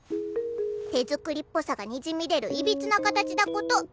手作りっぽさがにじみ出るいびつな形だこと。